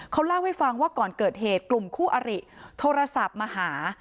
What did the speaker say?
เขาเล่าให้ฟังว่าก่อนเกิดเหตุกลุ่มคู่อริโทรศัพท์มาหา